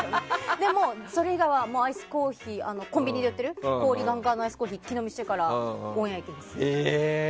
でも、それ以外はコンビニで売っている氷ガンガンのアイスコーヒー一気飲みしてからオンエア行きます。